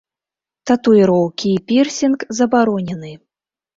Татуіроўкі і пірсінг забаронены.